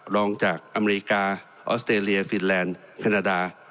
รองจากอเมริกาออสเตรเลียฟินแลนด์แคนาดา